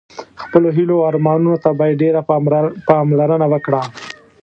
خپلو هیلو او ارمانونو ته باید ډېره پاملرنه وکړه.